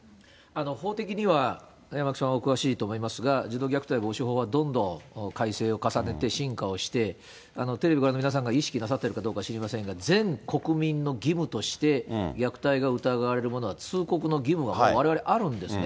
法的には山脇さん、詳しいと思いますが、は、どんどん改正を重ねて進化をして、テレビをご覧の皆さんが意識してるかどうか分かりませんけど、全国民の義務として、虐待が疑われるものは通告の義務がわれわれあるんですね。